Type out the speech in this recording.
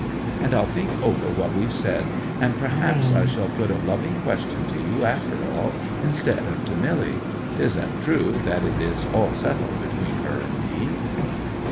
—and I'll think over what we've said; and perhaps I shall put a loving question to you after all, instead of to Milly. 'Tisn't true that it is all settled between her and me."